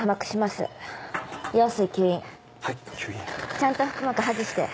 ちゃんと腹膜把持して。